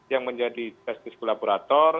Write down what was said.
yang menjadi justice collaborator